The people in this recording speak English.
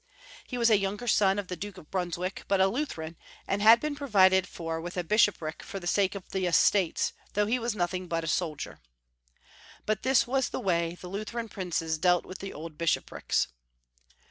He was a younger son of the Duke of Brunswick, but a Lutheran, and had been provided for Avith a bishopric for the sake of the estates, though he was nothing but a soldier. But this 336 Young Folks* History of Germany. • was the way the Lutheran princes dealt with the old Bishoprics.